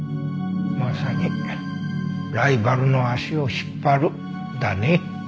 まさに「ライバルの足を引っ張る」だね。